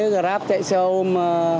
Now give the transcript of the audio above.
grab chạy xe ôm